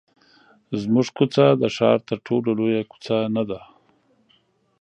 زموږ کوڅه د ښار تر ټولو لویه کوڅه نه ده.